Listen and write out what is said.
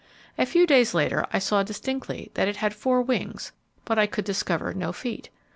A few days later I saw distinctly that it had four wings but I could discover no feet.